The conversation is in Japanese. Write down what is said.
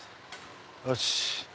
よし！